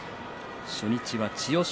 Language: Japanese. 初日は千代翔